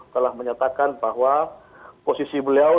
telah menyatakan bahwa posisi beliau